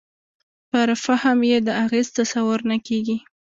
پر فهم یې د اغېز تصور نه کېږي.